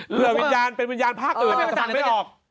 เหลือวิญญาณเป็นวิญญาณภาคอื่นก็สั่งไม่ออก